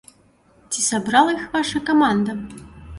Ці сабрала іх ваша каманда?